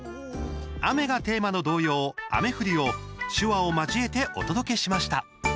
雨がテーマの童謡「あめふり」を手話を交えてお届けしました。